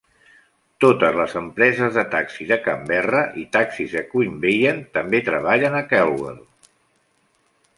Totes les empreses de taxi de Canberra i taxis de Queanbeyan també treballen a Calwell.